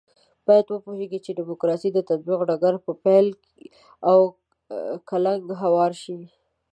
باید وپوهېږو چې د ډیموکراسۍ د تطبیق ډګر په بېل او کلنګ هوار شي.